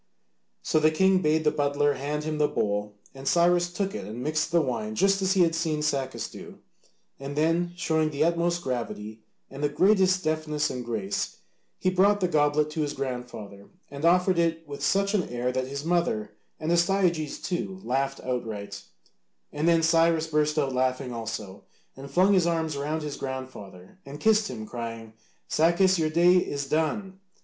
So the king bade the butler hand him the bowl, and Cyrus took it and mixed the wine just as he had seen Sacas do, and then, showing the utmost gravity and the greatest deftness and grace, he brought the goblet to his grandfather and offered it with such an air that his mother and Astyages, too, laughed outright, and then Cyrus burst out laughing also, and flung his arms round his grandfather and kissed him, crying, "Sacas, your day is done!